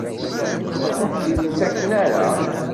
Ur akent-tt-id-ttaken ara?